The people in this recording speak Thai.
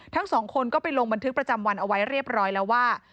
ทั้งสองคนก็ไปลงบันทึกประจำวันเอาไว้เรียบร้อยแล้วว่า